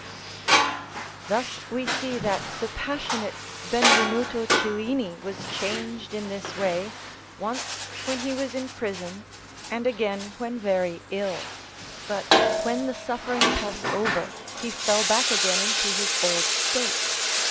Thus we see that the passionate Benvenuto Cellini was changed in this way, once when he was in prison, and again when very ill; but when the suffering passed over, he fell back again into his old state.